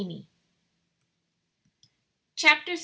"] CHAPTER VI.